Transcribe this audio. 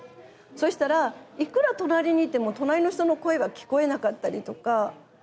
そしたらいくら隣にいても隣の人の声が聞こえなかったりとか。